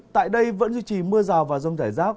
tại đây vẫn duy trì mưa rào và rồng thải rác